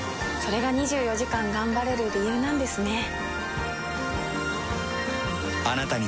れが２４時間頑張れる理由なんですね。